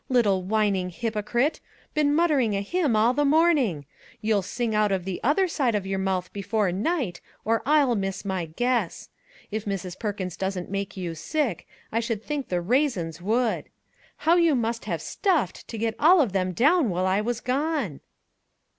"Little whining hypocrite! been mut tering a hymn all the morning ! You'll sing out of the other side of your mouth before night, or I'll miss my guess. If Mrs. Perkins doesn't make you sick, I should think the raisins would. How you must have stuffed to get all them down while I was gone